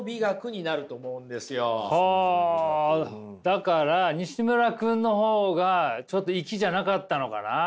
だからにしむら君の方がちょっといきじゃなかったのかな？